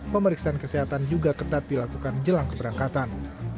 pemeriksaan kesehatan juga ketat dilakukan jelang keberangkatan